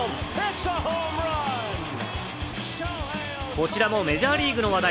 こちらもメジャーリーグの話題。